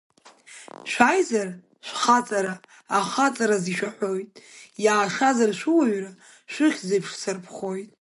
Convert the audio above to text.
Шәааизар шәхаҵара ахаҵараз ишәаҳәоит, иаашазар шәыуаҩра шәыхьӡеиԥш сарԥхоит.